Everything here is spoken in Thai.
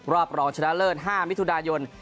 รอบรองชนะเลิศ๕มิถุนายน